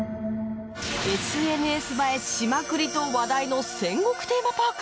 ＳＮＳ映えしまくりと話題の戦国テーマパーク。